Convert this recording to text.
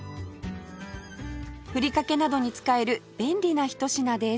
ふりかけなどに使える便利なひと品です